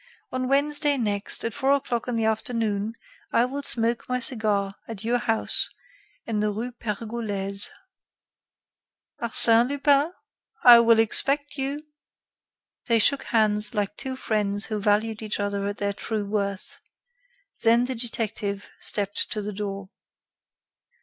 On Wednesday next, at four o'clock in the afternoon, I will smoke my cigar at your house in the rue Pergolese." "Arsène Lupin, I will expect you." They shook hands like two old friends who valued each other at their true worth; then the detective stepped to the door.